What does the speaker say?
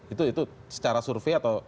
itu secara survei atau